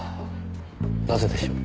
なぜでしょう？